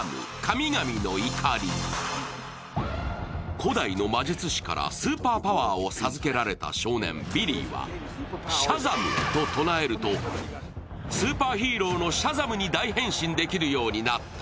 古代の魔術師からスーパーパワーを授けられた少年、ビリーは「シャザム！」と唱えるとスーパーヒーローのシャザムに大変身できるようになった。